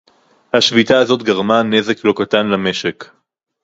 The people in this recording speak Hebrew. השביתה הזאת גרמה נזק לא קטן למשק